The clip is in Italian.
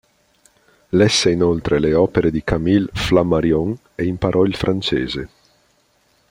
Lesse inoltre le opere di Camille Flammarion e imparò il francese.